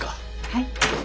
はい。